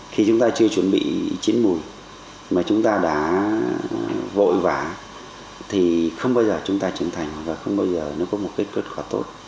khi chúng ta chưa chuẩn bị chín mùi mà chúng ta đã vội vã thì không bao giờ chúng ta trưởng thành và không bao giờ nó có một cái kết quả tốt